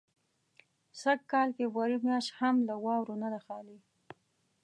سږ کال فبروري میاشت هم له واورو نه ده خالي.